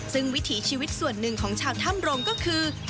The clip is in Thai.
ซึ่งวิถีชีวิตส่วนหนึ่งของชาวถ้ำรงก็คือ